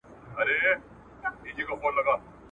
د شپې ډېوې یا د شیخانو غونډي ولیدلې !.